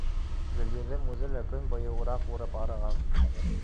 Гөлйөҙөм үҙе лә көн буйы ураҡ урып арыған.